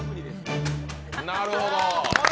なるほど。